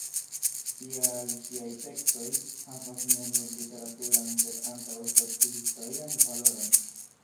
Tial ŝiaj tekstoj havas ne nur literaturan sed ankaŭ soci-historian valoron.